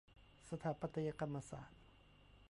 สถาปัตยกรรมศาสตร์